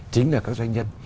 chính là các doanh nhân